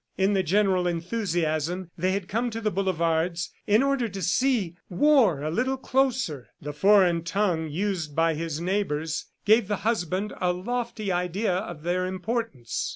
In the general enthusiasm they had come to the boulevards "in order to see war a little closer." The foreign tongue used by his neighbors gave the husband a lofty idea of their importance.